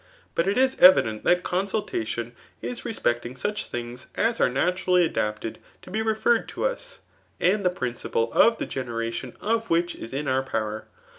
But it is evidesc that consultation is respecting such things as are naturally adapted to be referred to us» aqd the principle of the generation of which is in our power.